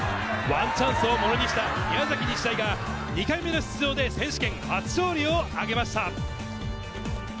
ワンチャンスをものにした宮崎日大が２回目の出場で選手権初勝利をあげました。